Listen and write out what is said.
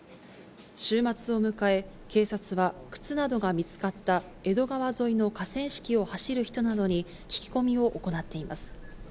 週末を迎え、警察は靴などが見つかった江戸川沿いの河川敷を走る人などに、聞き込みを行っています。